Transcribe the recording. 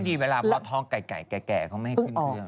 เขาถ้าง่ายเขาไม่ให้ขึ้นเครื่อง